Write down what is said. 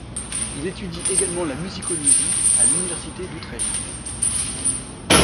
Il étudie également la musicologie à l'Université d'Utrecht.